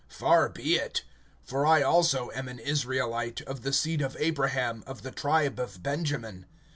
Far be it! For I also am an Israelite, of the seed of Abraham, of the tribe of Benjamin.